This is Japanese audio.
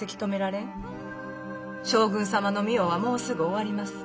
将軍様の御世はもうすぐ終わります。